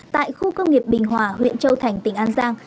tại khu công nghiệp bình hòa huyện châu thành tỉnh an giang